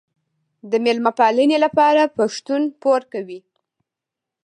د میلمه پالنې لپاره پښتون پور کوي.